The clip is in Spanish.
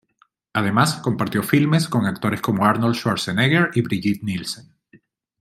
Además compartió filmes con actores como Arnold Schwarzenegger y Brigitte Nielsen.